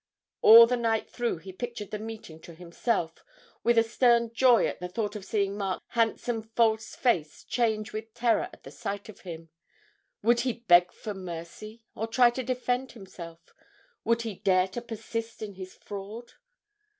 All the night through he pictured the meeting to himself, with a stern joy at the thought of seeing Mark's handsome false face change with terror at the sight of him would he beg for mercy, or try to defend himself? would he dare to persist in his fraud?